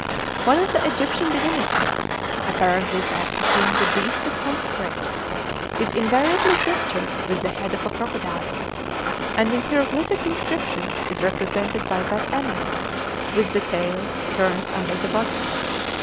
One of the Egyptian divinities, apparently that to whom the beast was consecrated, is invariably pictured with the head of a crocodile; and in hieroglyphic inscriptions is represented by that animal with the tail turned under the body.